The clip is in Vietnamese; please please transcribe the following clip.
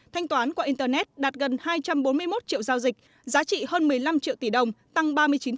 thanh toán qua internet đạt gần hai trăm bốn mươi một triệu giao dịch giá trị hơn một mươi năm triệu tỷ đồng tăng ba mươi chín